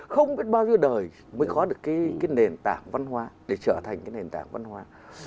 không biết bao nhiêu đời mới có được cái nền tảng văn hóa để trở thành cái nền tảng văn hóa